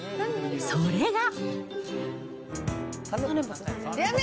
それが。